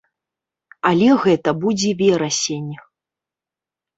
Але гэта будзе верасень.